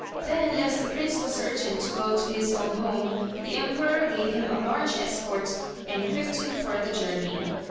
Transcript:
Then, as the prince was urgent to go to his own home, the emperor gave him a large escort, and equipped him for the journey.